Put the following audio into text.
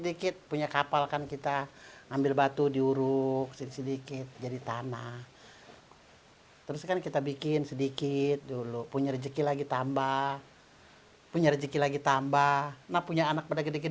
suhirat ibu dari lima anak ini warga pulau panggang